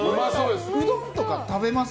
うどんとか食べます？